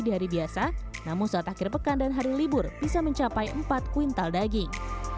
di hari biasa namun hai camera context madam bisa mencapai empat kuintal daging